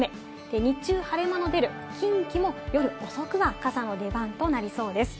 日中、晴れ間の出る近畿も夜遅くは傘の出番となりそうです。